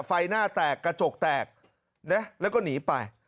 ไฟหน้าแตกกระจกแตกนะแล้วก็หนีไป